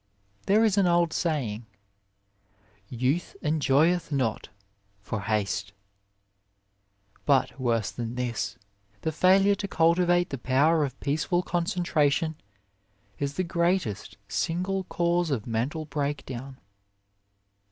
There is an old saying, "Youth enjoy eth not, for haste "; but worse than this, the failure to cultivate the power of peaceful concentration is the greatest single cause of mental breakdown.